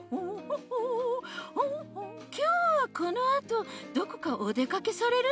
きょうはこのあとどこかおでかけされるんですか？